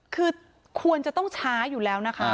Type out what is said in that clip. คือควรจะต้องช้าอยู่แล้วนะคะ